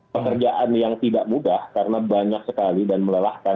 pekerjaan yang tidak mudah karena banyak sekali dan melelahkan